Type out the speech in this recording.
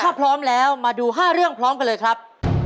ถ้าพร้อมแล้วมาดู๕เรื่องพร้อมกันเลยครับ